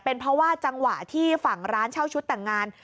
เป็นเพราะว่าจังหวะที่ฝั่งร้านเช่าชุดแต่งงาน